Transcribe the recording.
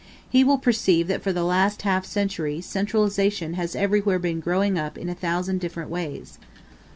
He will perceive that for the last half century, centralization has everywhere been growing up in a thousand different ways.